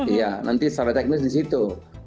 iya nanti secara teknis di situ